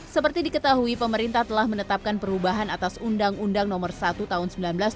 seperti diketahui pemerintah telah menetapkan perubahan atas undang undang nomor satu tahun seribu sembilan ratus sembilan puluh